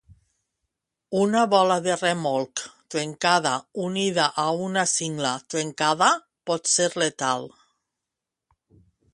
Una bola de remolc trencada unida a una cingla trencada pot ser letal.